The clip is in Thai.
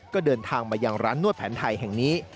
ก็เดินทางมายังร้านนวดแผนไทยแห่งนี้